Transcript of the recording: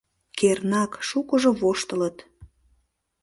Кернак, шукыжо воштылыт.